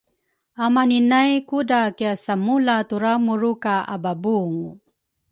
Amani nay kudra kiasamula turamuru ka ababungu